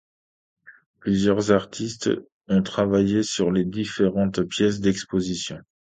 Plusieurs artistes ont travaillé sur les différentes pièces d'exposition.